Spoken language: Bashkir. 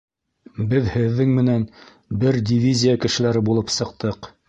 Беҙ һеҙҙең менән бер дивизия кешеләре булып сыҡтыҡ.